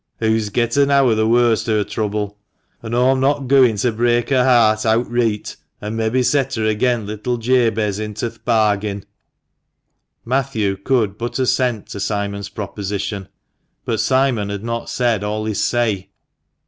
Hoo's getten ower th' worst o' her trouble, an' awm not gooin to break her heart outreet, and mebbe set her agen little Jabez into th' bargain." Matthew could but assent to Simon's proposition. But Simon had not said all his say.